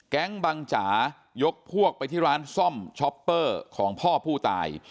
บังจ่ายกพวกไปที่ร้านซ่อมช็อปเปอร์ของพ่อผู้ตาย